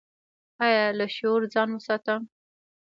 ایا له شور ځان وساتم؟